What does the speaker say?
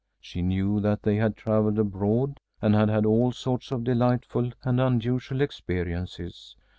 She knew that they had travelled abroad, and had had all sorts of delightful and unusual experiences.